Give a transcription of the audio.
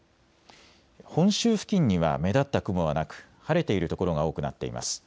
本州付近には目立った雲はなく晴れている所が多くなっています。